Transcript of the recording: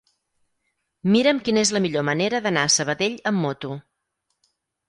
Mira'm quina és la millor manera d'anar a Sabadell amb moto.